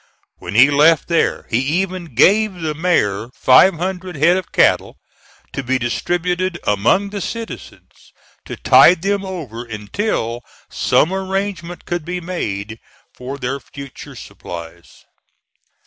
When he left there he even gave the mayor five hundred head of cattle to be distributed among the citizens, to tide them over until some arrangement could be made for their future supplies.